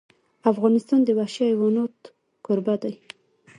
افغانستان د وحشي حیوانات کوربه دی.